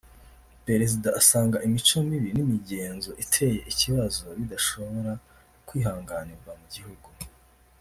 Perezida asanga imico mibi n’imigenzo iteye ikibazo bidashobora kwihanganirwa mu gihugu